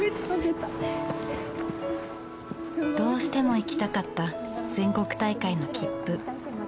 どうしても行きたかった全国大会の切符。